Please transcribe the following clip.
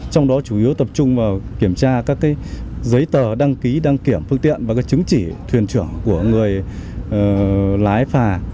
trong đó chủ yếu tập trung vào kiểm tra các giấy tờ đăng ký đăng kiểm phương tiện và chứng chỉ thuyền trưởng của người lái phà